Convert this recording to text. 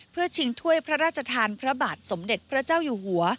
เพื่อชิงถ้วยพระราชทานพระบาทสมเด็จพระเจ้าอยู่หัว